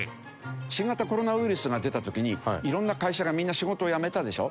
新型コロナウイルスが出た時に色んな会社がみんな仕事をやめたでしょ？